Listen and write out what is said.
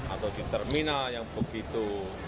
atau di terminal yang begitu